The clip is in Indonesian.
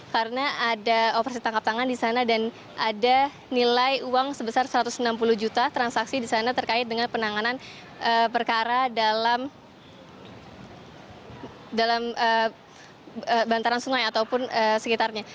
karena ada operasi tangkap tangan di sana dan ada nilai uang sebesar satu ratus enam puluh juta transaksi di sana terkait dengan penanganan perkara dalam bantaran sungai ataupun sekitarnya